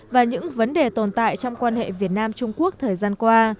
và những vấn đề tồn tại trong quan hệ việt nam trung quốc thời gian qua